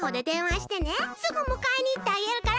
すぐむかえにいってあげるから。